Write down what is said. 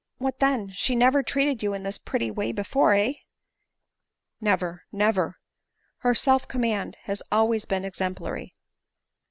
" What, then, she never treated you in this pretty way before, heh ?"" Never, never. Her self command has always been exemplary."